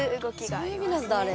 あっそういう意味なんだあれ。